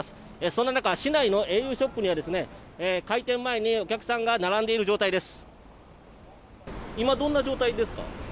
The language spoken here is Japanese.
そんな中市内のａｕショップには開店前にお客さんが並んでいる状態です。